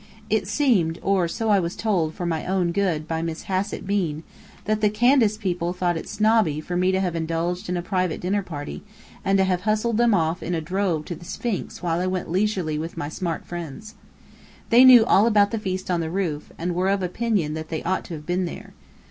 It seemed, or so I was told "for my own good" by Miss Hassett Bean, that the Candace people thought it "snobby" for me to have indulged in a private dinner party, and to have hustled them off in a drove to the Sphinx while I went leisurely with my smart friends. They knew all about the feast on the roof, and were of opinion that they ought to have been there.